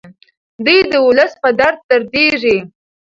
دی د ولس په درد دردیږي.